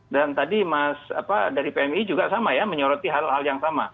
dan tadi dari pmi juga sama ya menyoroti hal hal yang sama